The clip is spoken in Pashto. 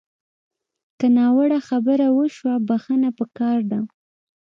که ناوړه خبره وشوه، بښنه پکار ده